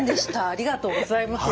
ありがとうございます。